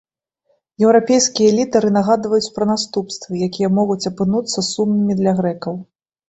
Еўрапейскія лідары нагадваюць пра наступствы, якія могуць апынуцца сумнымі для грэкаў.